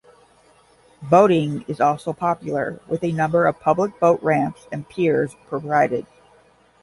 Boating is also popular, with a number of public boat ramps and piers provided.